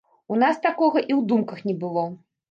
У нас такога і ў думках не было.